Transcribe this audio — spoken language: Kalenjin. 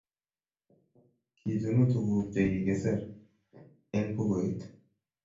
Kichunu tuguk che kikiser eng' bukuit